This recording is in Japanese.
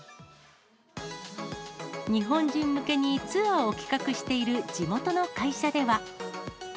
日本人向けにツアーを企画している地元の会社では。